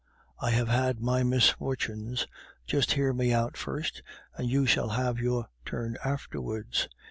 I have had my misfortunes. Just hear me out first, and you shall have your turn afterwards.